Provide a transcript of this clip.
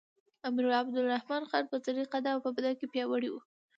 امیر عبدالرحمن خان منځنی قده او په بدن کې پیاوړی وو.